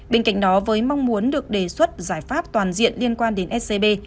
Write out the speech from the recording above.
bên cạnh đó với mong muốn được đề xuất giải pháp toàn diện liên quan đến scb